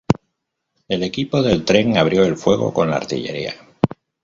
El equipo del tren abrió el fuego con la artillería.